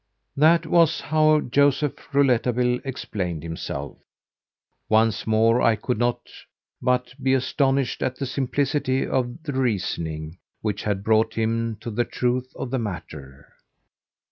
That was how Joseph Rouletabille explained himself. Once more I could not but be astonished at the simplicity of the reasoning which had brought him to the truth of the matter.